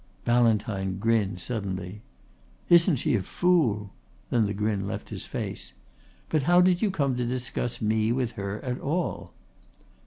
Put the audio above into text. Ballantyne grinned suddenly. "Isn't she a fool?" Then the grin left his face. "But how did you come to discuss me with her at all?"